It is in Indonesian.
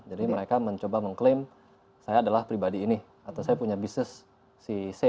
jadi mereka mencoba mengklaim saya adalah pribadi ini atau saya punya bisnis si c